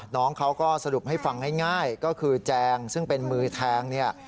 น้องเขาก็สรุปให้ฟังง่ายก็คือแจงซึ่งเป็นมือแทงเนี่ย